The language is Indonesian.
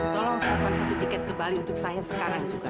tolong siapkan satu tiket ke bali untuk saya sekarang juga